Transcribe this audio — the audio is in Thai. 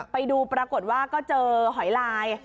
ไปดูปรากฏว่าก็เจอหอยลาย